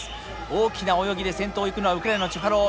大きな泳ぎで先頭を行くのはウクライナのチュファロウ。